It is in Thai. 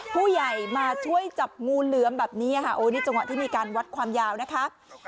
ผู้ใหญ่มาช่วยจับงูเหลือมแบบนี้ค่ะโอ้นี่จังหวะที่มีการวัดความยาวนะคะ